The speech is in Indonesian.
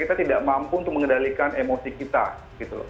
kita tidak mampu untuk mengendalikan emosi kita gitu loh